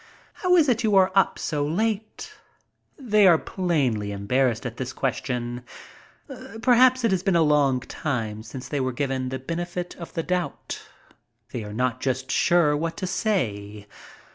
"How is it you are up so late?" They are plainly em barrassed at this question. Perhaps it has been a long time since they were given the benefit of the doubt. They are not just sure what to say.